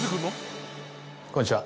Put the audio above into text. こんにちは。